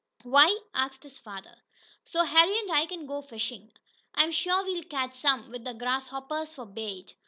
"Why?" asked his father. "So Harry and I can go fishing. I'm sure we'll catch some with the grasshoppers for bait."